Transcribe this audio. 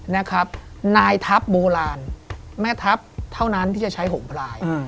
นายทัพโบราณแม่ทัพเท่านั้นที่จะใช้หงพลาย